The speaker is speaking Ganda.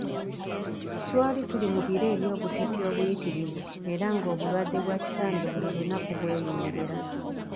Twali tuli mu biro eby'obutiti obuyitirivu era ng'obulwadde bwa kitange buli lunaku bweyongera.